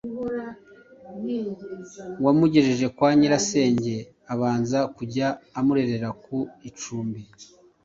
wamugejeje kwa nyirasenge abanza kujya amurerera ku icumbi